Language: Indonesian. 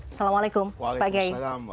assalamualaikum pak kiai